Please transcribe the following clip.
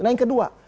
nah yang kedua